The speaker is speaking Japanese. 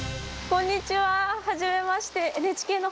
こんにちは。